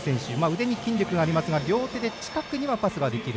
腕に筋力がありますが両手で近くにはパスができる。